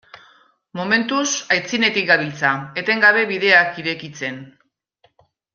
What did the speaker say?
Momentuz aitzinetik gabiltza, etengabe bideak irekitzen.